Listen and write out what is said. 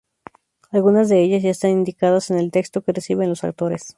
Algunas de ellas ya están indicadas en el texto que reciben los actores.